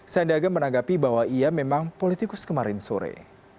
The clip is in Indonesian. sandiaga menanggapi bahwa ia memang politikus kemarin sore